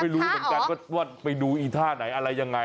ไม่รู้เหมือนกันว่าไปดูอีท่าไหนอะไรยังไง